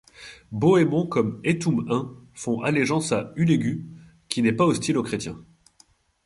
Bohémond comme Héthoum I font allégeance à Hülegü qui n’est pas hostile au chrétiens.